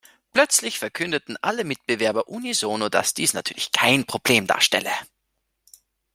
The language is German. Plötzlich verkündeten alle Mitbewerber unisono, dass dies natürlich kein Problem darstelle.